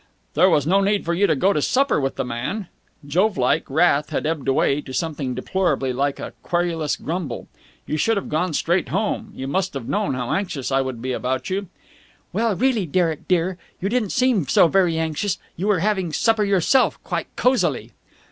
"There was no need for you to go to supper with the man!" Jove like wrath had ebbed away to something deplorably like a querulous grumble. "You should have gone straight home. You must have known how anxious I would be about you." "Well, really, Derek, dear! You didn't seem so very anxious! You were having supper yourself quite cosily."